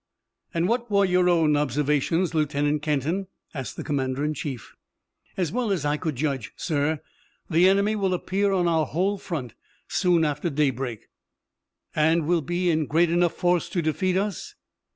"And what were your own observations, Lieutenant Kenton?" asked the commander in chief. "As well as I could judge, sir, the enemy will appear on our whole front soon after daybreak." "And will be in great enough force to defeat us."